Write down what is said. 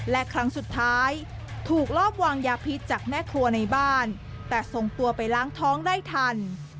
และครั้งสุดท้ายถูกลอบวางยาพิษจากแม่ครัวในบ้านแต่ส่งตัวไปล้างท้องได้ทัน